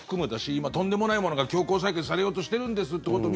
今、とんでもないものが強行採決されようとしているんですってことを